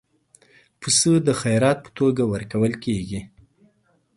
پسه د خیرات په توګه ورکول کېږي.